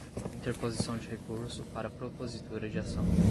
interposição de recurso, para propositura de ação